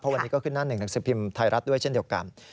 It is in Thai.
วันนี้ก็ขึ้นหน้าหนึ่งหนังสือพิมพ์ไทยรัฐด้วยเช่นเดียวกัน